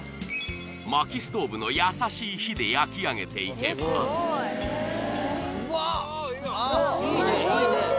薪ストーブの優しい火で焼き上げていけばうわあっいいねいいね